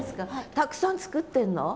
たくさん作ってるの？